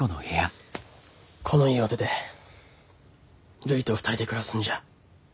この家を出てるいと２人で暮らすんじゃ。